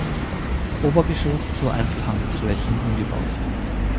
Obergeschoss zu Einzelhandelsflächen umgebaut.